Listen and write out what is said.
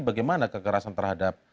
bagaimana kekerasan terhadap